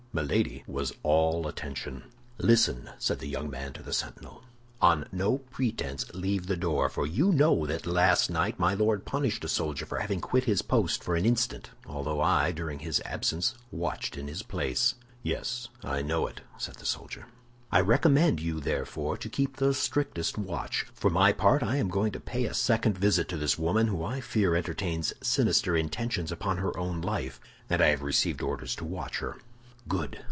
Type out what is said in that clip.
Milady was all attention. "Listen," said the young man to the sentinel. "On no pretense leave the door, for you know that last night my Lord punished a soldier for having quit his post for an instant, although I, during his absence, watched in his place." "Yes, I know it," said the soldier. "I recommend you therefore to keep the strictest watch. For my part I am going to pay a second visit to this woman, who I fear entertains sinister intentions upon her own life, and I have received orders to watch her." "Good!"